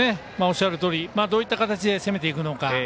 おっしゃるとおりどういった形で攻めていくのか。